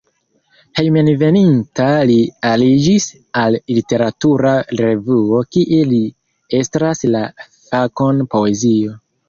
Hejmenveninta li aliĝis al literatura revuo, kie li estras la fakon poezio.